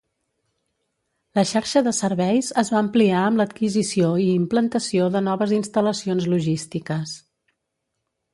La xarxa de serveis es va ampliar amb l'adquisició i implantació de noves instal·lacions logístiques.